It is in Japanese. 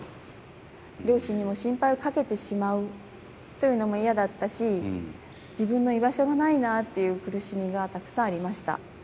両親にも心配をかけてしまうというのも嫌だったし自分の居場所がないなっていう苦しみがたくさんありました。